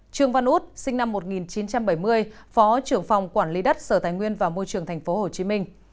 trương văn út sinh năm một nghìn chín trăm bảy mươi phó trưởng phòng quản lý đất sở tài nguyên và môi trường tp hcm